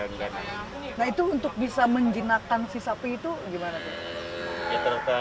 nah itu untuk bisa menjinakkan si sapi itu gimana tuh